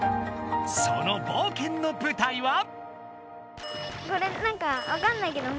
その冒険の舞台は？